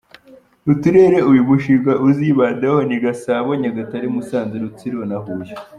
Uturere uyu mushinga uzibandaho ni Gasabo, Nyagatare, Musanze, Rutsiro na Huye.